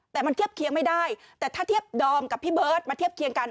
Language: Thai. แต่มันเทียบเคียงไม่ได้แต่ถ้าเทียบดอมกับพี่เบิร์ตมาเทียบเคียงกัน